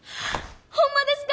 ホンマですか！？